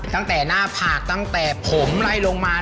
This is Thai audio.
ตั้งแต่หน้าผากตั้งแต่ผมไล่ลงมา